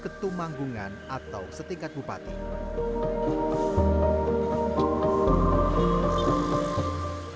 ketua manggungan atau setingkat bupati